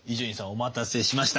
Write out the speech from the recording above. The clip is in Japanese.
お待たせしました。